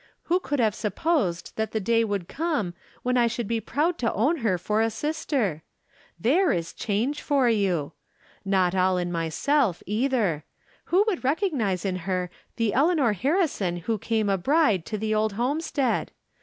"Who could have supposed that the day would come when I should be proud to own her for a sister ? There is change for you ! Not all in myself, either. Who would recognize in her the Eleanor Harrison who came a bride to the old homestead